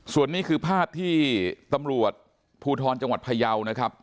ส่วนนี้คือภาพที่ตำรวจภูทรจังหวัดพยาวนะครับ